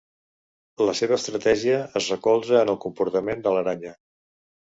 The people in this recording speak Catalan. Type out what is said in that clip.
La seva estratègia es recolza en el comportament de l'aranya.